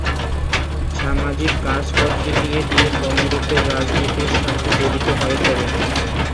সামাজিক কাজ করতে গিয়ে তিনি কংগ্রেসের রাজনীতির সাথে জড়িত হয়ে পড়েন।